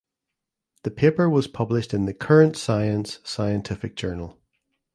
The paper was published in the "Current Science" scientific journal.